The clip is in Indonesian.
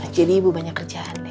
jadi ibu banyak kerjaan deh